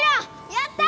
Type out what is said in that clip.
やった！